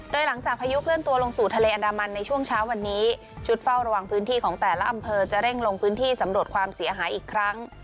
โดยหลังจากพายุเคลื่อนตัวลงสู่ทะเลอันดามันในช่วงเช้าวันนี้ชุดเฝ้าระวังพื้นที่ของแต่ละอำเภอจะเร่งลงพื้นที่สำรวจความเสียหายอีกครั้ง